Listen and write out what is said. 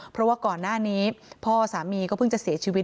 เพราะว่าก่อนหน้านี้พ่อสามีก็เพิ่งจะเสียชีวิต